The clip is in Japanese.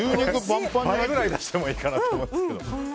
倍ぐらい出してもいいかなと思いますけどね。